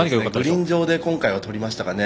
グリーン上で今回はとりましたかね。